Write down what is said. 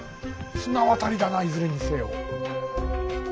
綱渡りだないずれにせよ。